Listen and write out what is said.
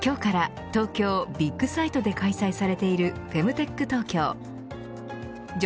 今日から東京ビッグサイトで開催されているフェムテックＴＯＫＹＯ。